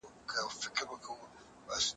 اقتصادي رکود په ټولنه بده اغېزه کوي.